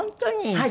はい。